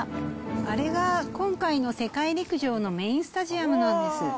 あれが今回の世界陸上のメインスタジアムなんです。